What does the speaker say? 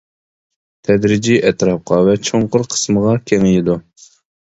تەدرىجىي ئەتراپقا ۋە چوڭقۇر قىسمىغا كېڭىيىدۇ.